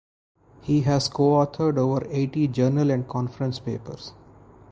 He has co-authored over eighty journal and conference papers.